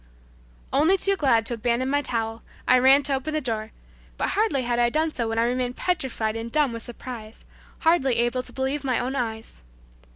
Only too glad to abandon my towel, I ran to open the door, but hardly had I done so when I remained petrified and dumb with surprise, hardly able to believe my own eyes.